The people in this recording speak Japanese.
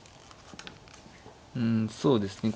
うんそうですね